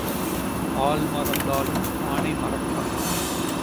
ஆள் மறந்தாலும் ஆனை மறக்காது.